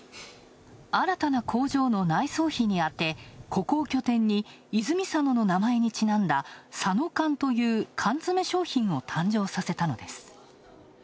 新たな工場の内装費にあて、ここを拠点に泉佐野の名前にちなんださの缶という缶詰商品を誕生させたのです。